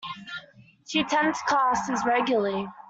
She attends classes regularly